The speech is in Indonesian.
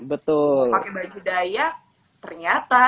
pakai baju dayak ternyata